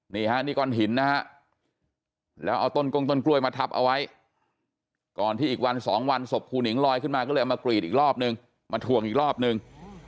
นี่ฮะนี่ก้อนหินนะฮะแล้วเอาต้นกงต้นกล้วยมาทับเอาไว้ก่อนที่อีกวันสองวันศพครูหนิงลอยขึ้นมาก็เลยเอามากรีดอีกรอบนึงมาถ่วงอีกรอบนึง